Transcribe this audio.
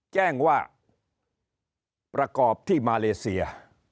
แจ้งว่าประกอบที่มาเลเซีย